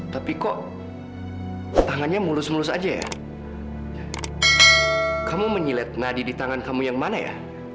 tapi kok tangannya mulus mulus aja ya kamu menyidi di tangan kamu yang mana ya